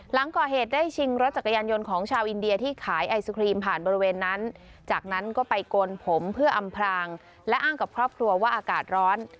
หลังก่อเหตุได้ชิงรถจักรยานยนต์ของชาวอินเดียที่ขายไอศครีมผ่านบริเวณนั้นจากนั้นก็ไปโกนผมเพื่ออำพรางและอ้างกับครอบครัวว่าอากาศร้อน